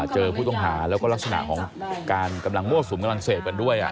เจอผู้ต้องหาแล้วก็ลักษณะของการกำลังมั่วสุมกำลังเสพกันด้วย